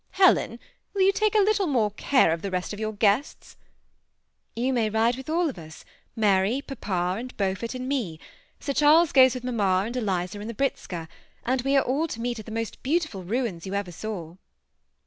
" Helen, will you take a little more care of the rest* of your guests ?" "You may ride with all of us — Mary, papa, and Beaufort, and me. Sir Charles goes with mamma and Eliza in the britzka, and we are all to meet at the most beautiful ruins you ever saw."